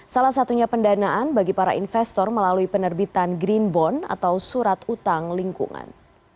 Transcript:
salah satunya pendanaan bagi para investor melalui penerbitan green bond atau surat utang lingkungan